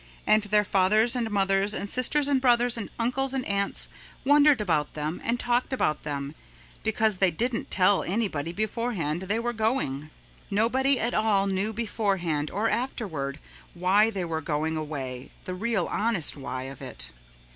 And their fathers and mothers and sisters and brothers and uncles and aunts wondered about them and talked about them, because they didn't tell anybody beforehand they were going. Nobody at all knew beforehand or afterward why they were going away, the real honest why of it.